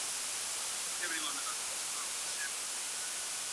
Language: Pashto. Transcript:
آیا د افغانستان چارمغز ښه کیفیت لري؟.